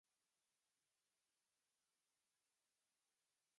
这是国家战争频繁发生的世界。